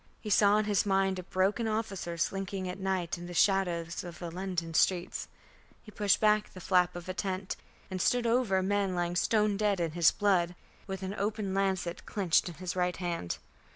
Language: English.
He saw in his mind a broken officer slinking at night in the shadows of the London streets. He pushed back the flap of a tent and stooped over a man lying stone dead in his blood, with an open lancet clinched in his right hand.